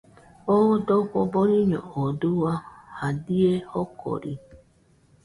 Oo dojo boriño oo dua jadie jokori